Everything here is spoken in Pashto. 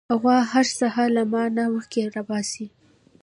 غوا هر سهار له ما نه مخکې راپاڅي.